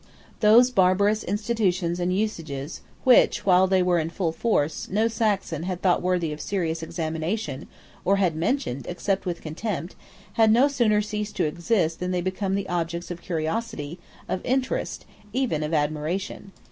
Those barbarous institutions and usages, which, while they were in full force, no Saxon had thought worthy of serious examination, or had mentioned except with contempt, had no sooner ceased to exist than they became objects of curiosity, of interest, even of admiration.